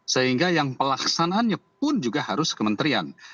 sehingga yang pelaksanaannya pun juga harus kementerian